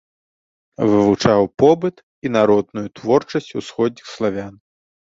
Вывучаў побыт і народную творчасць усходніх славян.